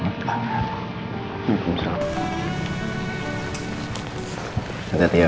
ini punto kuning ke wahyu